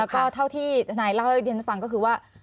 แล้วก็เท่าที่ทนายเล่าให้ดิฉันฟังก็คือว่า